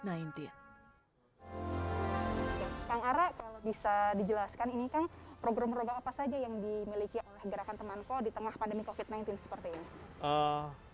kang ara kalau bisa dijelaskan ini kang program program apa saja yang dimiliki oleh gerakan temanko di tengah pandemi covid sembilan belas seperti ini